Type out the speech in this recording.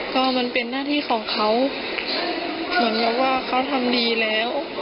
ก็มันเป็นหน้าที่ของเขาเหมือนกับว่าเขาทำดีแล้ว